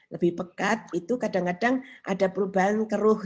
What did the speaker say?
lebih pekat itu kadang kadang ada perubahan keruh